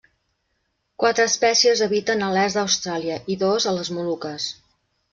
Quatre espècies habiten a l'est d'Austràlia i dos a les Moluques.